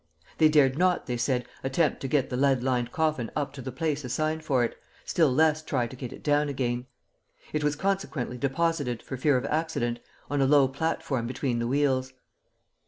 They dared not, they said, attempt to get the lead lined coffin up to the place assigned for it, still less try to get it down again. It was consequently deposited, for fear of accident, on a low platform between the wheels.